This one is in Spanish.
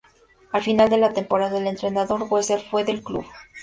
Al final de la temporada el entrenador Wessel fue del club.